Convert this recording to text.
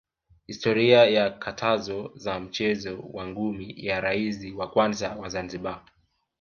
historia ya katazo za mchezo wa ngumi ya raisi wa kwanza wa Zanzibar